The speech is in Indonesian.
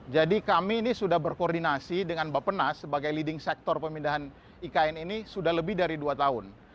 jadi kami ini sudah berkoordinasi dengan bapenas sebagai leading sector pemindahan ikn ini sudah lebih dari dua tahun